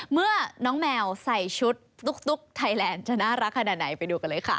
เมื่อน้องแมวใส่ชุดตุ๊กไทยแลนด์จะน่ารักขนาดไหนไปดูกันเลยค่ะ